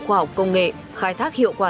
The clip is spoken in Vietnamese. khoa học công nghệ khai thác hiệu quả